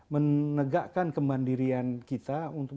menegakkan kemandirian kita untuk